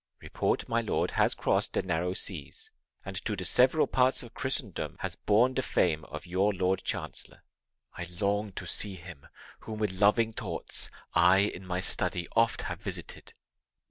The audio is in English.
Report, my lord, hath crossed the narrow seas, And to the several parts of Christendom, Hath borne the fame of your Lord Chancellor: I long to see him, whom with loving thoughts I in my study oft have visited.